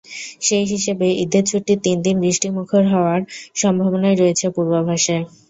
সেই হিসেবে ঈদের ছুটির তিন দিন বৃষ্টিমুখর হওয়ার সম্ভাবনাই রয়েছে পূর্বাভাসে।